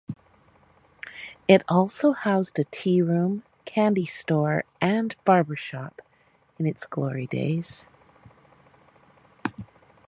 It also housed a tea room, candy store and barbershop in its glory days.